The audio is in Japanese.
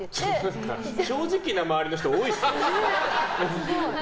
正直な周りの人、多いですね。